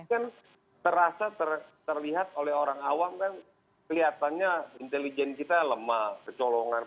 kan terasa terlihat oleh orang awam kan kelihatannya intelijen kita lemah kecolongan